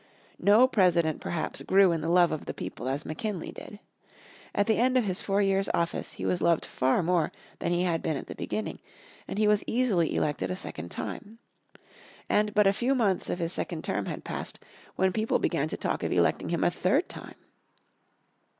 No President perhaps grew in the love of the people as McKinley did. At the end of his four years' office he was loved far more than he had been at the beginning, and he was easily elected a second time. And but a few months of his second term had passed when people began to talk of electing him a third time.